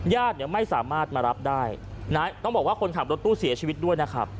ญาติเนี่ยไม่สามารถมารับได้นะต้องบอกว่าคนขับรถตู้เสียชีวิตด้วยนะครับ